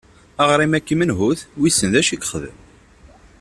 Aɣrim-agi menhut? Wissen d acu yexdem?